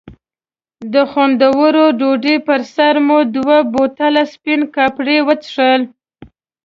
د خوندورې ډوډۍ پر سر مو دوه بوتله سپین کاپري وڅښل.